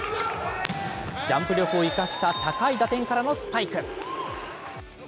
ジャンプ力を生かした高い打点からのスパイク。